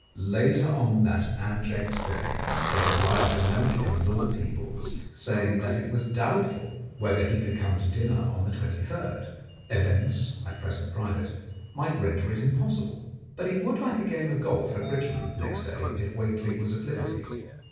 Later on that abject day there arrived a note from Lord Peebles, saying that it was doubtful whether he 61 The Blackmailer of Park Lane could come to dinner on the 23rd. Events, at present private, might render it impossible. But he would like a game of golf at Richmond next day if Whately was at liberty.